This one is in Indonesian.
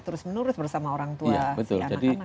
terus menerus bersama orang tua